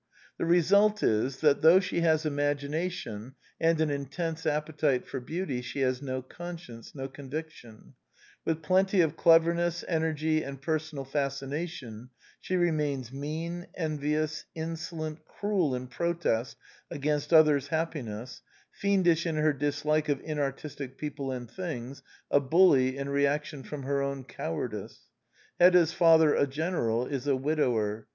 The result is that though she has imagination, and an intense appetite for beauty, she has no conscience, no conviction : with plenty of cleverness, energy, and personal fascina tion she remains mean, envious, insolent, cruel in protest against others' happiness, fiendish in her dislike of inartistic people and things, a bully in reaction from her own cowardice. Hedda's father, a general, is a widower.